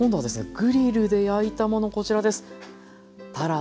グリルで焼いたものこちらです。